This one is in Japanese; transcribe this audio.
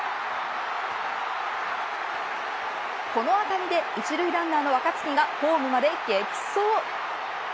この当たりで１塁ランナーの若月がホームまで激走。